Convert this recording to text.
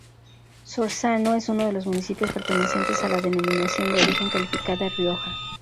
Sorzano es uno de los municipios pertenecientes a la Denominación de origen calificada Rioja.